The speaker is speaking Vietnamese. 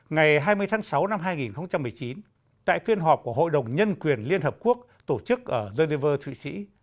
ngày hai mươi tháng sáu năm hai nghìn một mươi chín tại phiên họp của hội đồng nhân quyền liên hợp quốc tổ chức ở geneva thụy sĩ